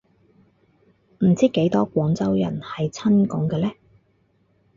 唔知幾多廣州人係親共嘅呢